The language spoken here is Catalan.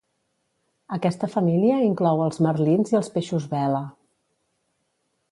Aquesta família inclou els marlins i els peixos vela.